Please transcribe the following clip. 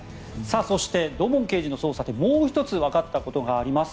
そして土門刑事の捜査でもう１つわかったことがあります。